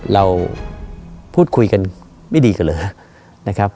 เราพูดคุยกันไม่ดีกันเหรอนะครับ